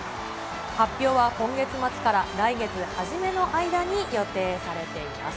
発表は今月末から来月初めの間に予定されています。